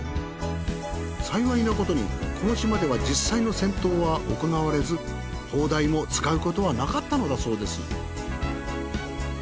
幸いなことにこの島では実際の戦闘は行われず砲台も使うことはなかったのだそうです。